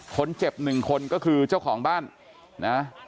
คนเจ็บหนึ่งคนก็คือเจ้าของบ้านนะ